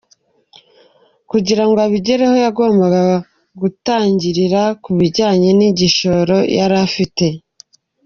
Kugira ngo abigereho yagombaga gutangirira ku bijyanye n’igishoro yari afite.